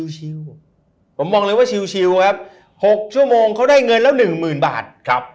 ชิลผมมองเลยว่าชิลครับ๖ชั่วโมงเขาได้เงินแล้วหนึ่งหมื่นบาทครับ